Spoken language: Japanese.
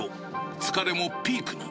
疲れもピークに。